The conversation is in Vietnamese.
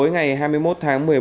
ngày hai mươi một tháng một mươi một